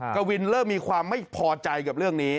กวินเริ่มมีความไม่พอใจกับเรื่องนี้